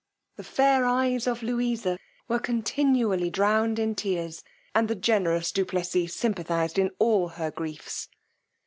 The fair eyes of Louisa were continually drowned in tears, and the generous du Plessis sympathized in all her griefs.